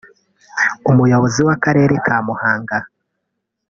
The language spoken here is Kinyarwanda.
umuyobozi w’akarere ka Muhanga